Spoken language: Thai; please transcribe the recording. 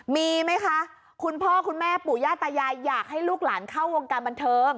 มีไหมคะคุณพ่อคุณแม่ปู่ย่าตายายอยากให้ลูกหลานเข้าวงการบันเทิง